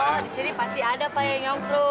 oh disini pasti ada pak yang nyongkrong